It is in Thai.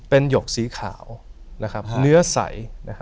เป็นหยกสีขาวเนื้อใส